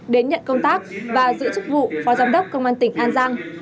đến nhận công tác và giữ chức vụ phó giám đốc công an tỉnh an giang